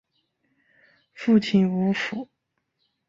父亲吴甫。